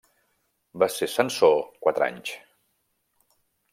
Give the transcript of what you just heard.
Va ser censor quatre anys.